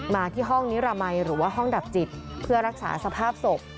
มาที่ห้องนิรมัยหรือว่าห้องดับจิตเพื่อรักษาสภาพศพ